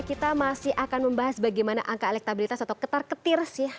kita masih akan membahas bagaimana angka elektabilitas atau ketar ketir sih